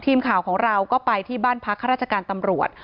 ทีมข่าวของเราก็ไปที่บ้านพักข้าราชการตำรวจ